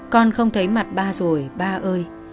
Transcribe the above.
con không thấy mặt ba rồi ba ơi